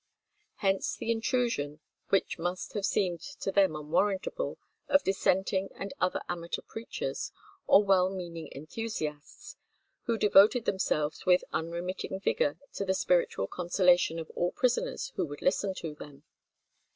[200:1] Hence the intrusion, which must have seemed to them unwarrantable, of dissenting and other amateur preachers, or well meaning enthusiasts, who devoted themselves with unremitting vigour to the spiritual consolation of all prisoners who would listen to them.